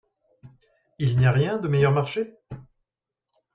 Il n'y a rien de meilleur marché ?